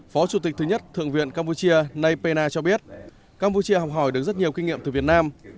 phó chủ tịch thứ nhất thượng viện campuchia nay pena cho biết campuchia học hỏi được rất nhiều kinh nghiệm từ việt nam